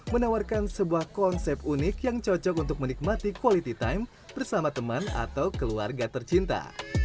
menawarkan sebuah konsep unik yang cocok untuk menikmati quality time bersama teman atau keluarga tercinta